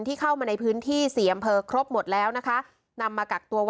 ที่เข้ามาในพื้นที่เสียำเผอครบหมดแล้วนะค่ะ